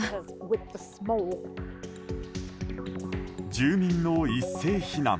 住民の一斉避難。